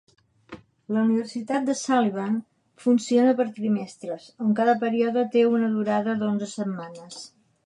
La Universitat de Sullivan funciona per trimestres, on cada període té una durada d'onze setmanes.